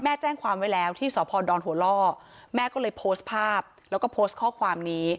แจ้งความไว้แล้วที่สพดอนหัวล่อแม่ก็เลยโพสต์ภาพแล้วก็โพสต์ข้อความนี้